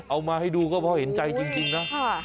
เอามาให้ดูก็พอเห็นใจจริงนะ